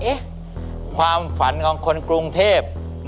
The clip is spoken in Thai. ความฝันของคนกรุงเทพ